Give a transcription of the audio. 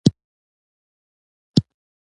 کېله د پوستکي چمک زیاتوي.